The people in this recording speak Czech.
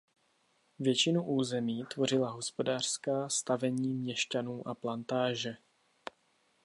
Většinu území tvořila hospodářská stavení měšťanů a plantáže.